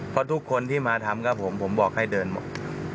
เพราะทุกคนที่มาทำกับผมผมบอกให้เดินหมด